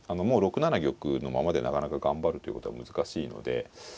もう６七玉のままでなかなか頑張るということは難しいので。